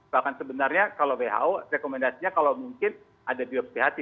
bahkan sebenarnya kalau who rekomendasinya kalau mungkin ada bioprihati